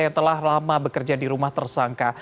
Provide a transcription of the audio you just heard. yang telah lama bekerja di rumah tersangka